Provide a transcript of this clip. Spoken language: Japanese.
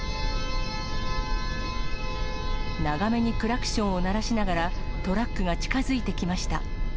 長めにクラクションを鳴らしながら、トラックが近づいてきました。